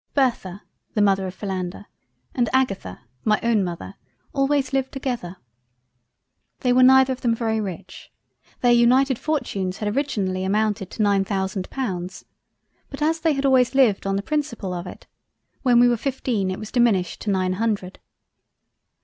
Bertha (the Mother of Philander) and Agatha (my own Mother) always lived together. They were neither of them very rich; their united fortunes had originally amounted to nine thousand Pounds, but as they had always lived on the principal of it, when we were fifteen it was diminished to nine Hundred.